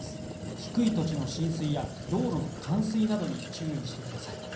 低い土地の浸水や道路の冠水などに注意してください。